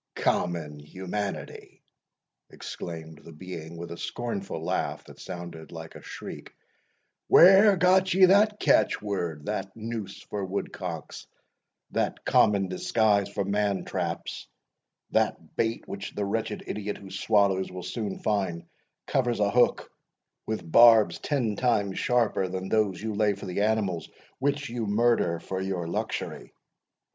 "Common humanity!" exclaimed the being, with a scornful laugh that sounded like a shriek, "where got ye that catch word that noose for woodcocks that common disguise for man traps that bait which the wretched idiot who swallows, will soon find covers a hook with barbs ten times sharper than those you lay for the animals which you murder for your luxury!"